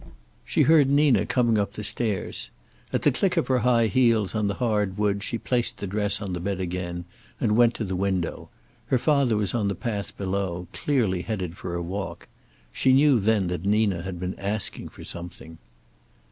She heard Nina coming up the stairs. At the click of her high heels on the hard wood she placed the dress on the bed again, and went to the window. Her father was on the path below, clearly headed for a walk. She knew then that Nina had been asking for something.